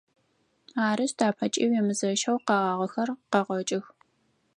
Арышъ, тапэкӏи уемызэщэу къэгъагъэхэр къэгъэкӏых.